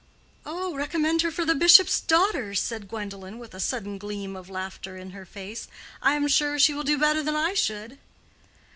"Oh, recommend her for the bishop's daughters," said Gwendolen, with a sudden gleam of laughter in her face. "I am sure she will do better than I should."